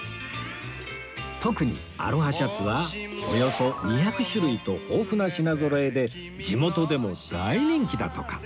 特にアロハシャツはおよそ２００種類と豊富な品ぞろえで地元でも大人気だとか